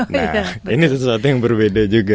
nah ini sesuatu yang berbeda juga